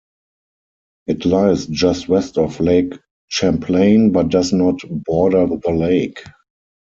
It lies just west of Lake Champlain but does not border the lake.